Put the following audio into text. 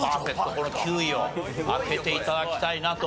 この９位を開けて頂きたいなと。